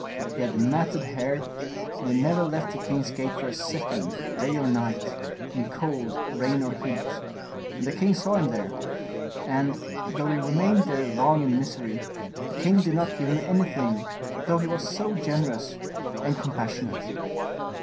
He had matted hair, and he never left the king's gate for a second, day or night, in cold, rain, or heat, and the king saw him there. And, though he remained there long in misery, the king did not give him anything, though he was generous and compas sionate.